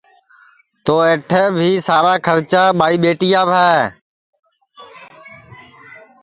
تو اَیٹھے بھی سارا کھرچا ٻائی ٻیٹیاپ ہے